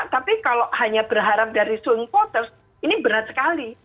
tapi kalau hanya berharap dari swing voters ini berat sekali